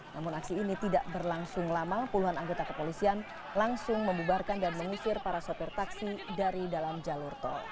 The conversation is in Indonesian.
namun aksi ini tidak berlangsung lama puluhan anggota kepolisian langsung membubarkan dan mengusir para sopir taksi dari dalam jalur tol